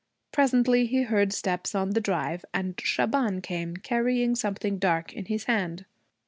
Presently he heard steps on the drive and Shaban came, carrying something dark in his hand.